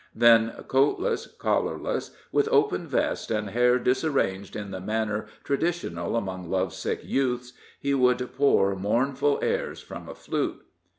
Then coatless, collarless, with open vest and hair disarranged in the manner traditional among love sick youths, he would pour mournful airs from a flute.